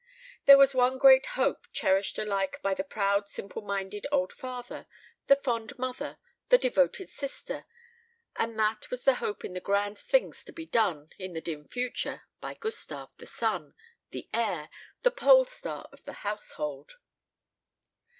There was one great hope cherished alike by the proud simple minded old father, the fond mother, the devoted sister, and that was the hope in the grand things to be done, in the dim future, by Gustave, the son, the heir, the pole star of the household.